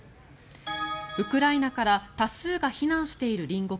ウクライナから多数が避難している隣国